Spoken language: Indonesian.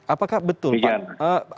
apakah betul pak